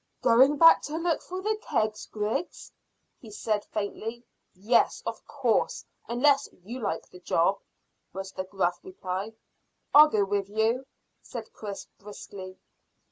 "Going back to look for the kegs, Griggs?" he said faintly. "Yes, of course, unless you like the job," was the gruff reply. "I'll go with you," said Chris briskly.